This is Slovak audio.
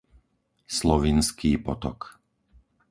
Slovinský potok